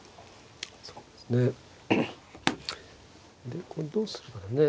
でこれどうするかだね。